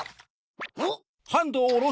おっ？